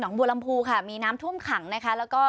บัวลำพูค่ะมีน้ำท่วมขังนะคะแล้วก็